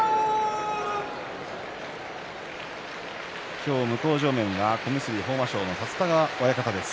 今日、向正面は小結豊真将の立田川親方です。